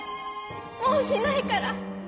もうしないから。